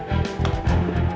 gak akan kecil